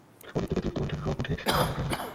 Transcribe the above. ও দিকে থেকে-থেকে তৃপ্ত কণ্ঠের রব ওঠে, জয় হোক রানীমার।